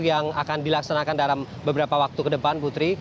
yang akan dilaksanakan dalam beberapa waktu ke depan putri